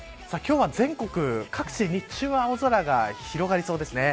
今日は全国各地日中は青空が広がりそうですね。